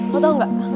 lo tau gak